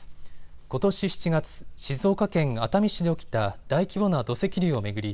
ことし７月、静岡県熱海市で起きた大規模な土石流を巡り